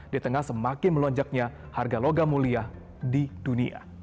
di tengah semakin melonjaknya harga logam mulia di dunia